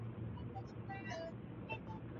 Nchi hiyo ilianza kupelekea mataifa mengine msaada